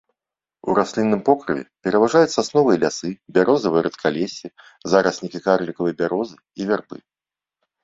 У раслінным покрыве пераважаюць сасновыя лясы, бярозавыя рэдкалессі, зараснікі карлікавай бярозы і вярбы.